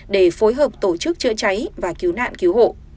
để phối hợp tổ chức chữa cháy và cứu nạn cứu hộ